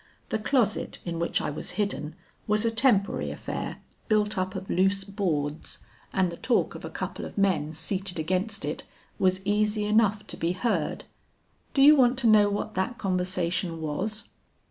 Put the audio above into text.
The closet in which I was hidden was a temporary affair built up of loose boards, and the talk of a couple of men seated against it was easy enough to be heard. Do you want to know what that conversation was?'